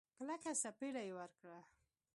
کلکه سپېړه يې ورکړه.